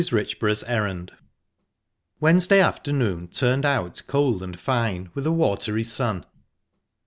RICHBOROUGH'S ERRAND Wednesday afternoon turned out cold and fine, with a watery sun.